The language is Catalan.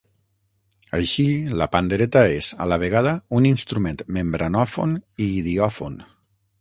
Així, la pandereta és, a la vegada, un instrument membranòfon i idiòfon.